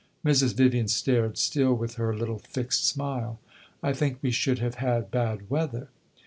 Mrs. Vivian stared, still with her little fixed smile. "I think we should have had bad weather."